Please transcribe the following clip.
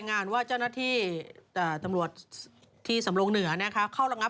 องเทพทรงก็ทรง